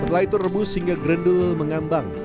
setelah itu rebus hingga grendul mengambang